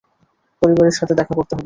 পরিবারের সাথে দেখা করতে হবে।